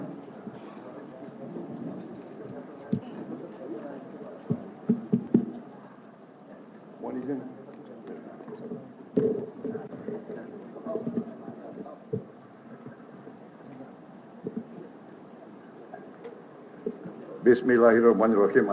abdul muhyemin iskandar